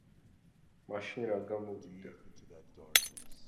მაშინ რა გამოვიდა.